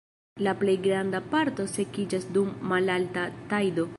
La plej granda parto sekiĝas dum malalta tajdo.